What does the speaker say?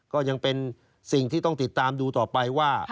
ก็ยังเป็นสิ่งที่ต้องติดตามดูต่อไปว่า